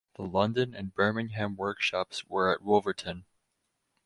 The London and Birmingham workshops were at Wolverton.